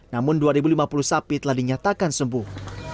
namun dua ribu lima puluh sapi telah dinyatakan sembuh